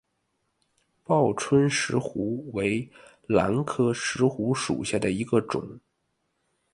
报春石斛为兰科石斛属下的一个种。